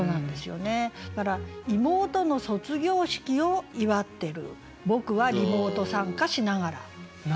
だから「妹の卒業式を祝ってる僕はリモート参加しながら」。